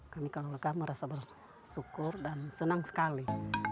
kami kalau lega merasa bersyukur dan senang sekali